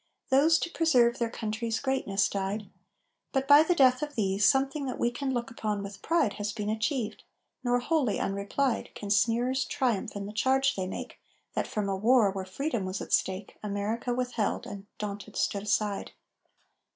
Those to preserve their country's greatness died; But by the death of these Something that we can look upon with pride Has been achieved, nor wholly unreplied Can sneerers triumph in the charge they make That from a war where Freedom was at stake America withheld and, daunted, stood aside.